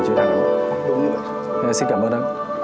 xin cảm ơn ạ